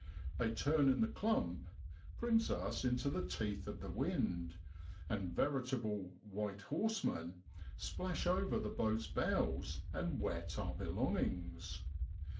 A turn in the clump brings us into the teeth of the wind, and veritable ' white horse men ' splash over the boat's bows and wet our belongings.